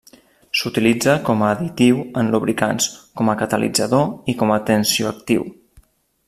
S'utilitza com a additiu en lubricants, com a catalitzador, i com a tensioactiu.